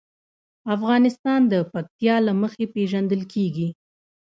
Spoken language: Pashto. افغانستان د پکتیا له مخې پېژندل کېږي.